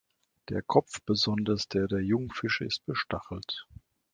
Der Kopf, besonders der der Jungfische, ist bestachelt.